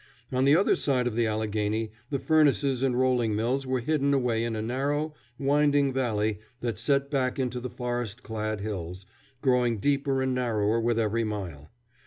On the other side of the Allegheny the furnaces and rolling mills were hidden away in a narrow, winding valley that set back into the forest clad hills, growing deeper and narrower with every mile.